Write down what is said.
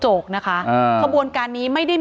อ๋อเจ้าสีสุข่าวของสิ้นพอได้ด้วย